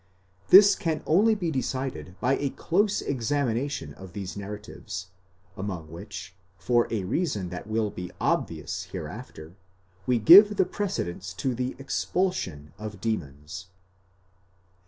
This can only be decided by a close examination of these narratives, among which, for a reason that will be obvious hereafter, we give the precedence to the expulsions of demons.